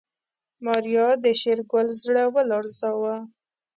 ماريا د شېرګل زړه ولړزاوه.